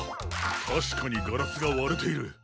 たしかにガラスがわれている。